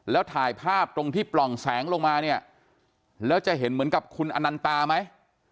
แล้วถ่ายภาพตรงที่ปล่องแสงลงมาเนี่ยแล้วจะเห็นเหมือนกับคุณอนันตาไหม